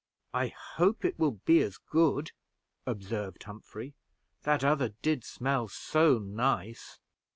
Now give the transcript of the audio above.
"I hope it will be as good," observed Humphrey; "that other did smell so nice!"